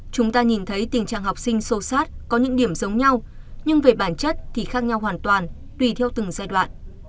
chúng ta nhìn thấy tình trạng học sinh sâu sát có những điểm giống nhau nhưng về bản chất thì khác nhau hoàn toàn tùy theo từng giai đoạn